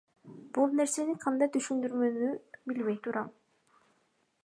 Бул нерсени кандай түшүндүрөөрүмдү билбей турам.